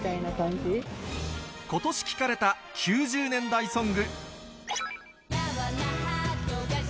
ことし聴かれた９０年代ソング。